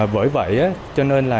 với vậy cho nên là